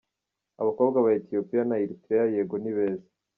Abakobwa ba Ethiopiya na Erithrea yego ni beza.